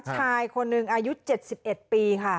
ชายคนหนึ่งอายุ๗๑ปีค่ะ